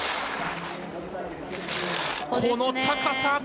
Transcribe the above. この高さ！